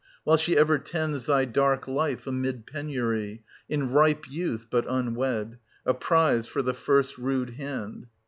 — while she ever tends thy dark life amid penury, — in ripe youth, but unwed, — a prize for the first rude hand.